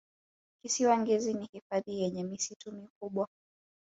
kisiwa ngezi ni hifadhi yenye misitu mikubwa